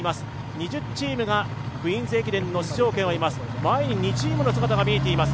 ２０チームが「クイーンズ駅伝」の出場権を得ます。